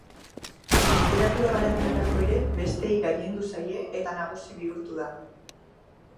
Literatura garapenerako ere besteei gailendu zaie eta nagusi bihurtu da.